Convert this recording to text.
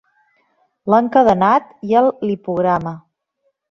L'encadenat i el lipograma.